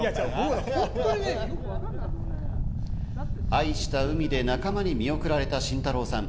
愛した海で仲間に見送られた慎太郎さん。